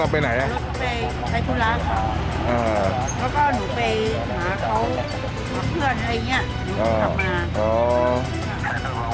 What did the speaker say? อ่าไปนานเออแล้วก็เขาหาว่านูเกตไปนานแล้วก็เอารถเข้าไปนานเออ